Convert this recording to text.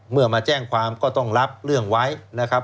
มาแจ้งความก็ต้องรับเรื่องไว้นะครับ